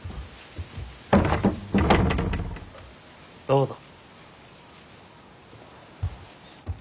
どうぞ。